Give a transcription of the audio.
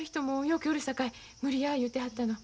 うけおるさかい無理や言うてはったの。